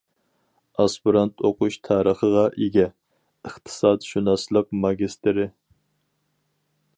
ئاسپىرانت ئوقۇش تارىخىغا ئىگە، ئىقتىسادشۇناسلىق ماگىستىرى.